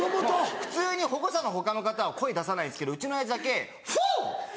普通に保護者の他の方は声出さないんですけどうちの親父だけ「フォ！フォ！